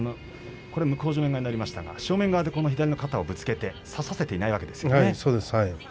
向正面側ですが正面側で左の肩ををつけて差させていないわけですね。